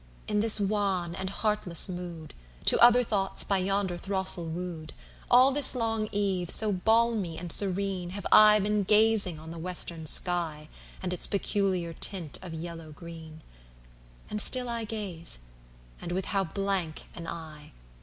in this wan and heartless mood, To other thoughts by yonder throstle woo'd, All this long eve, so balmy and serene, Have I been gazing on the western sky, And its peculiar tint of yellow green; And still I gaze—and with how blank an eye!